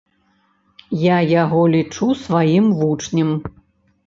Я яго лічу сваім вучнем.